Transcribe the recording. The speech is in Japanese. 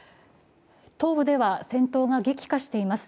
東部では戦闘が激化しています。